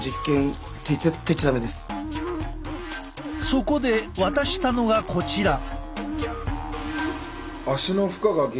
そこで渡したのがこちら。